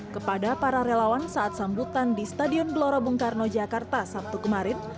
kepada para relawan saat sambutan di stadion gelora bung karno jakarta sabtu kemarin